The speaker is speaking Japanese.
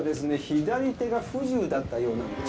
左手が不自由だったようなんです。